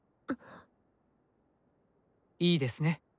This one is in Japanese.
いいですね？